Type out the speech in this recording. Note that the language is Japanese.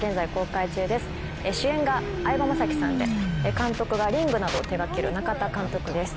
主演が相葉雅紀さんで監督が『リング』などを手掛ける中田監督です。